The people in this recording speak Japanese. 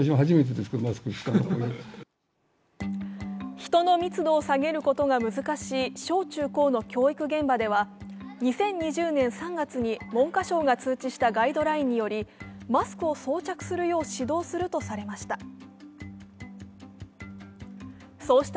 人の密度を下げることが難しい小中高の教育現場では２０２０年３月に文科省が通知したガイドラインによりマスクを装着するよう指導するとされました。